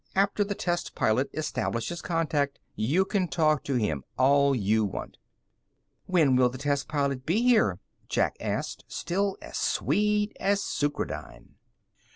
After the test pilot establishes contact, you can talk to him all you want." "When will the test pilot be here?" Jack asked, still as sweet as sucrodyne.